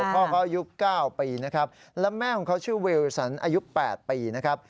พ่อเขาอายุ๙ปีนะครับและแม่ของเขาชื่อเวลสันอายุ๘ปีนะครับ